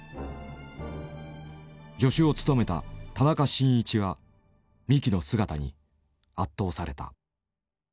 助手を務めた田中眞一は三木の姿に圧倒された。